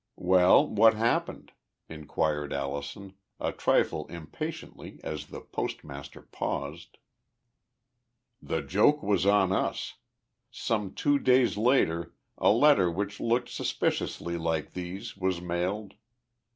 "Well, what happened?" inquired Allison, a trifle impatiently, as the postmaster paused. "The joke was on us. Some two days later a letter which looked suspiciously like these was mailed.